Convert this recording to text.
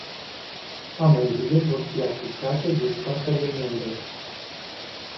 Amenzile vor fi aplicate de statele membre.